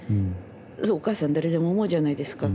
お母さん誰でも思うじゃないですか。